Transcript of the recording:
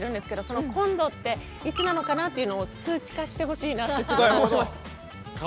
その「今度」っていつなのかなというのを数値化してほしいなってすごい思います。